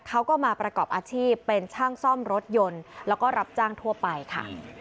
เขาก็มาประกอบอาชีพเป็นช่างซ่อมรถยนต์แล้วก็รับจ้างทั่วไปค่ะ